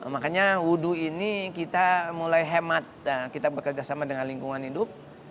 makanya wudhu ini kita mulai hemat kita bekerjasama dengan lingkungan hidup